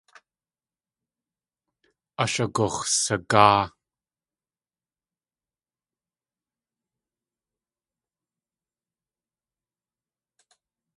Ashagux̲sagáa.